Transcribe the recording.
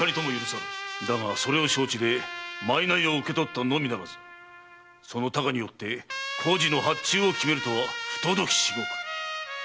だがそれを承知で賂を受け取ったのみならずその多寡によって工事の発注を決めるとは不届き至極！